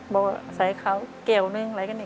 บอกว่าใส่เขาเกี่ยวนึงอะไรกันเนี่ย